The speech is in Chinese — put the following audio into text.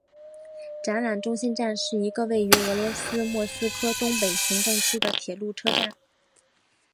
展览中心站是一个位于俄罗斯莫斯科东北行政区的铁路车站。